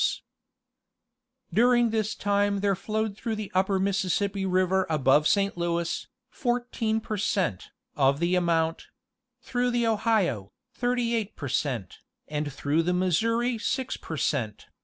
57 During this time there flowed through the upper Mississippi river above St. Louis, 14 per cent. of the amount ; through the Ohio, 38 per cent., and through the Missouri 6 per cent.